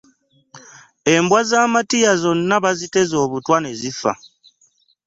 Embwa za Matiya zonna baziteze obutwa ne zifa.